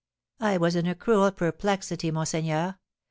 "I was in a cruel perplexity, monseigneur.